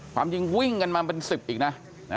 ความจริงวิ่งกันมาเป็น๑๐อีกนะ